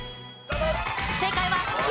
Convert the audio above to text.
正解はＣ。